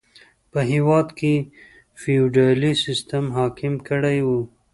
په هېواد کې فیوډالي سیستم حاکم کړی و.